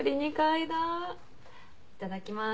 いただきます。